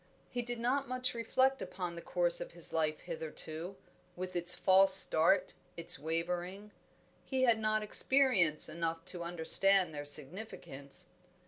He did not much reflect upon the course of his life hitherto, with its false starts, its wavering; he had not experience enough to understand their significance.